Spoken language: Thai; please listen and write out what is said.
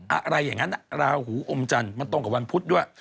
อะไรอย่างนั้นราหูอมจันทร์มันตรงกับวันพุธด้วย